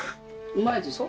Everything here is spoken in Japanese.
うまいでしょ？